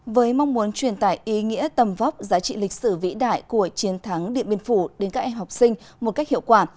với mong muốn truyền tải ý nghĩa tầm vóc giá trị lịch sử vĩ đại của chiến thắng điện biên phủ đến các em học sinh một cách hiệu quả